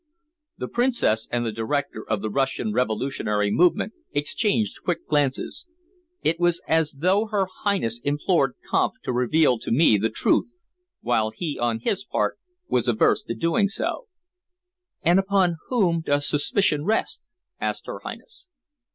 The Princess and the director of the Russian revolutionary movement exchanged quick glances. It was as though her Highness implored Kampf to reveal to me the truth, while he, on his part, was averse to doing so. "And upon whom does suspicion rest?" asked her Highness.